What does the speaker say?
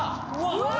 うわ！